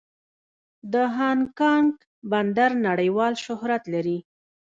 د هانګ کانګ بندر نړیوال شهرت لري.